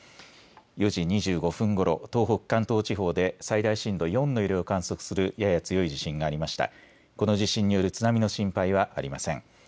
４時２５分ごろ、東北関東地方で最大震度４の揺れを観測するやや強い地震がありました。